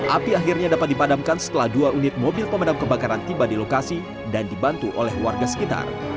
api akhirnya dapat dipadamkan setelah dua unit mobil pemadam kebakaran tiba di lokasi dan dibantu oleh warga sekitar